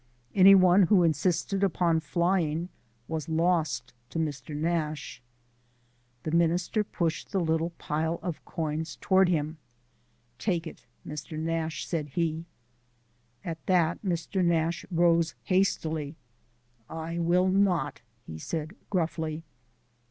Any one who insisted upon flying was lost to Mr. Nash. The minister pushed the little pile of coins toward him. "Take it, Mr. Nash," said he. At that Mr. Nash rose hastily. "I will not," he said gruffly.